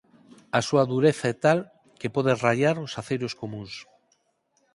A súa dureza é tal que pode raiar os aceiros comúns.